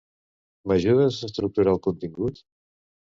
M'ajudes a estructurar el contingut?